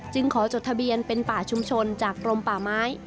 ขอจดทะเบียนเป็นป่าชุมชนจากกรมป่าไม้